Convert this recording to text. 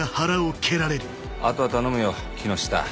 後は頼むよ木下。